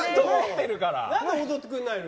何で踊ってくれないの？